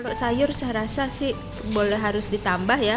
kalau sayur saya rasa sih boleh harus ditambah ya